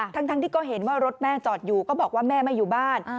ทั้งที่ก็เห็นว่ารถแม่จอดอยู่ก็บอกว่าแม่ไม่อยู่บ้าน